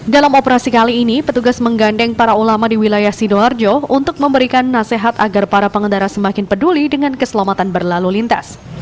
dalam operasi kali ini petugas menggandeng para ulama di wilayah sidoarjo untuk memberikan nasihat agar para pengendara semakin peduli dengan keselamatan berlalu lintas